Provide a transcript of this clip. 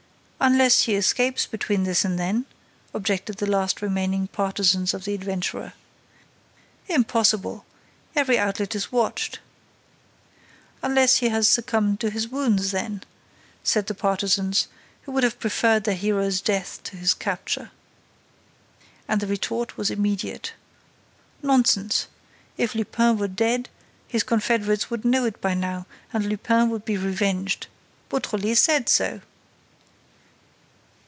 "Unless he escapes between this and then," objected the last remaining partisans of the adventurer. "Impossible! Every outlet is watched." "Unless he has succumbed to his wounds, then," said the partisans, who would have preferred their hero's death to his capture. And the retort was immediate: "Nonsense! If Lupin were dead, his confederates would know it by now, and Lupin would be revenged. Beautrelet said so!"